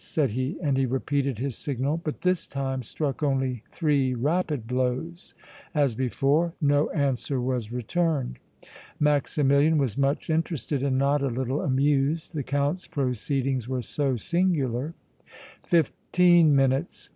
said he, and he repeated his signal, but this time struck only three rapid blows. As before no answer was returned. Maximilian was much interested and not a little amused, the Count's proceedings were so singular. "Fifteen minutes!"